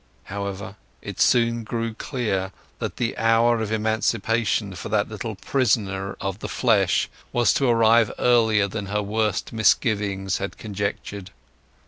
However, it soon grew clear that the hour of emancipation for that little prisoner of the flesh was to arrive earlier than her worst misgiving had conjectured.